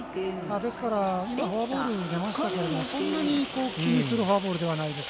ですからフォアボール出ましたけどそんなに気にするフォアボールではないです。